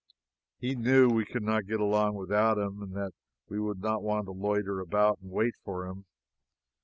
He knew we could not get along without him and that we would not want to loiter about and wait for him.